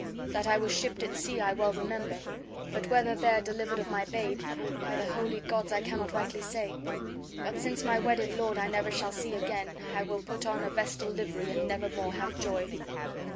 That I was shipped at sea I well remember, but whether there delivered of my babe, by the holy gods I cannot rightly say; but since my wedded lord I never shall see again, I will put on a vestal livery and never more have joy."